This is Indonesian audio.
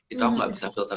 itu aku gak bisa filter